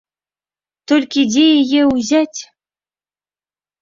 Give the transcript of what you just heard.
Толькі дзе яе ўзяць?